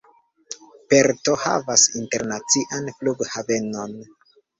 Perto havas internacian flughavenon.